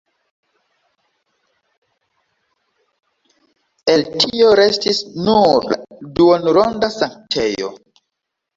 El tio restis nur la duonronda sanktejo.